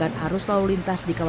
ini loh ini loh